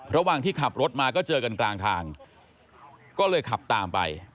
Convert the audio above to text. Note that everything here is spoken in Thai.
ระหว่างที่ขับรถมาก็เจอกันกลางทางก็เลยขับตามไป